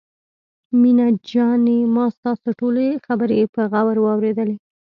مينه جانې ما ستاسو ټولې خبرې په غور واورېدلې.